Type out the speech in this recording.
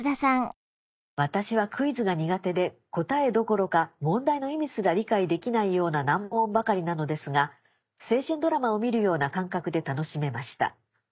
「私はクイズが苦手で答えどころか問題の意味すら理解できないような難問ばかりなのですが青春ドラマを見るような感覚で楽しめました。